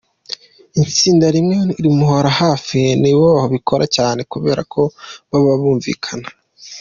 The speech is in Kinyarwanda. Itsinda rimwe rimuhora hafi ni bo babikora cyane kubera ko baba bumvikana.